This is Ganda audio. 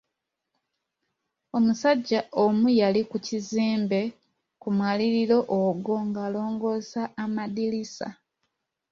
Omusajja omu yali ku kizimbe ku mwaliiro ogwo ng’alongoosa madirisa.